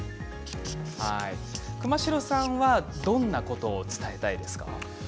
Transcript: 熊代さんは、どんなことを伝えたいですか。